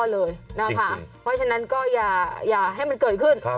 เพราะฉะนั้นก็อย่าให้มันเกิดขึ้น